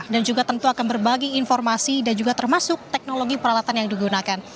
dan juga tentu akan berbagi informasi dan juga termasuk teknologi peralatan yang digunakan